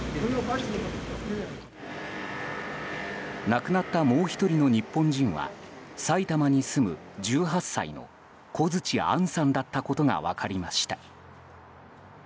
亡くなったもう１人の日本人は埼玉に住む１８歳の小槌杏さんだったことが分かりました。